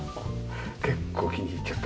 結構気に入っちゃった。